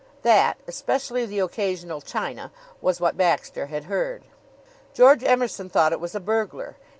That especially the occasional china was what Baxter had heard. George Emerson thought it was a burglar.